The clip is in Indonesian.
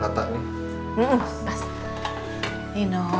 masuk lah rukun kayak gini